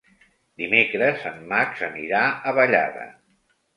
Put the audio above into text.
Dimecres en Max anirà a Vallada.